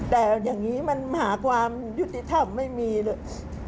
แต่อย่างนี้มันหาความยุติธรรมไม่มีเลย